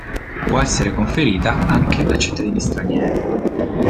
Può essere conferita anche a cittadini stranieri.